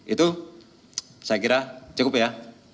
itu saya kira cukup ya